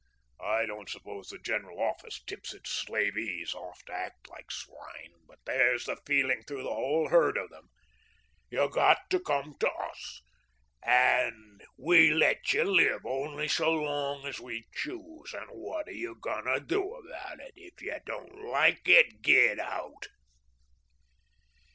I don't suppose the General Office tips its slavees off to act like swine, but there's the feeling through the whole herd of them. 'Ye got to come to us. We let ye live only so long as we choose, and what are ye going to do about it? If ye don't like it, git out.'"